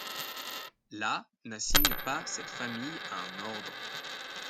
La n'assigne pas cette famille à un ordre.